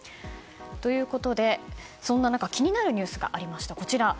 ということで、そんな中気になるニュースがありました。